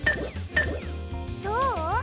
どう？